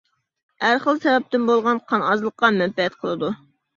ھەر خىل سەۋەبتىن بولغان قان ئازلىققا مەنپەئەت قىلىدۇ.